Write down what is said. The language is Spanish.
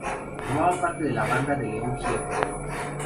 Formaban parte de la banda de León Gieco.